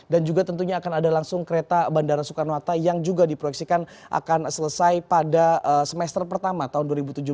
dan juga tentunya akan ada langsung kereta bandara soekarno hatta yang juga diproyeksikan akan selesai pada semester pertama tahun dua ribu tujuh belas